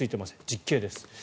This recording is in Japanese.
実刑です。